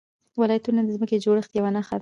ولایتونه د ځمکې د جوړښت یوه نښه ده.